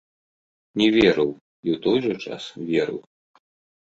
Не верыў, і ў той жа час верыў.